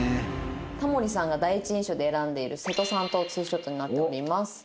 田森さんが第一印象で選んでいる瀬戸さんと２ショットになっております。